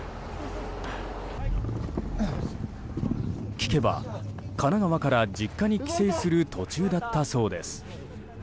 聞けば、神奈川から実家に帰省する途中だったそうです。